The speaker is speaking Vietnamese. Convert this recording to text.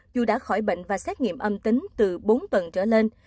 dù đã khỏi bệnh và xét nghiệm âm tính từ bốn tuần trở lên